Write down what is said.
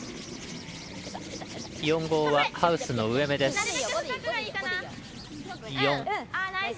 ４、５はハウスの上めです。